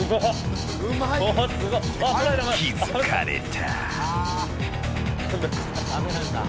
気づかれた。